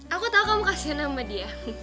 aku tau kamu kasian sama dia